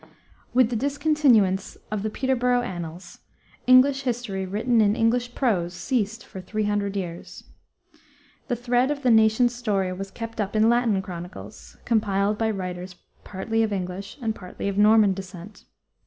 With the discontinuance of the Peterborough annals, English history written in English prose ceased for three hundred years. The thread of the nation's story was kept up in Latin chronicles, compiled by writers partly of English and partly of Norman descent.